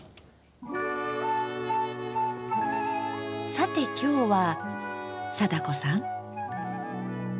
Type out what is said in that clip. さて今日は貞子さん？